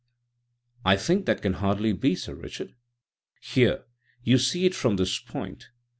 "I think that can hardly be, Sir Richard. Here you see it from this point.